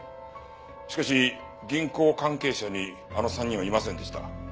しかし銀行関係者にあの３人はいませんでした。